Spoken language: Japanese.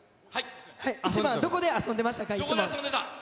１番、どこで遊んでましたか？